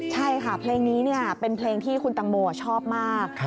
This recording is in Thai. ใช่ค่ะเพลงนี้เป็นเพลงที่คุณตังโมชอบมาก